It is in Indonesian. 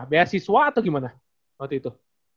bayar siswa atau gimana waktu itu